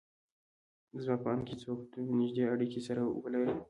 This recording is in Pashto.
زما په اند که څوک دومره نيږدې اړکې سره ولري